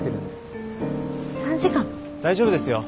大丈夫ですよ。